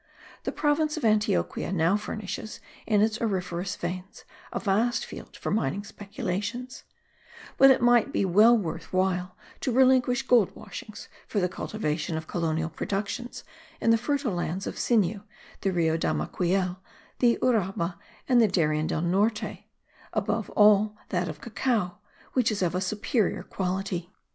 The province of Antioquia now furnishes, in its auriferous veins, a vast field for mining speculations; but it might be well worth while to relinquish gold washings for the cultivation of colonial productions in the fertile lands of Sinu, the Rio Damaquiel, the Uraba and the Darien del Norte; above all, that of cacao, which is of a superior quality.